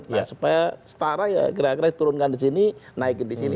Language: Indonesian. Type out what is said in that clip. nah supaya setara ya kira kira turunkan disini naikin disini